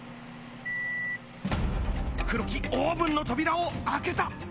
黒木オーブンの扉を開けた！